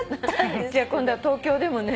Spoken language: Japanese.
じゃあ今度は東京でもね。